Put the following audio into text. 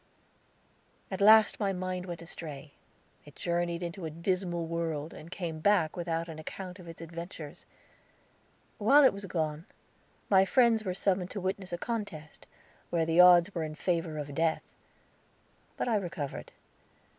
At last my mind went astray; it journeyed into a dismal world, and came back without an account of its adventures. While it was gone, my friends were summoned to witness a contest, where the odds were in favor of death. But I recovered.